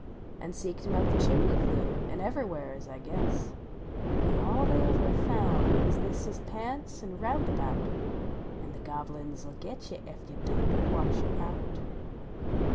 An seeked him up the ehimbly flue, an ever wheres, I guess ; But all they ever found was thist his pants an rounda bout : An the Gobble uns ll git you Ef you Don t \Yatch Out!